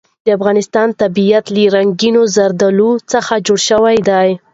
د افغانستان طبیعت له رنګینو زردالو څخه جوړ شوی دی.